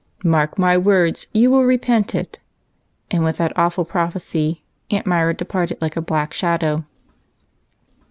"Mark my words, you will repent it," and, with that awful prophecy, Aunt Myra departed like a black shadow.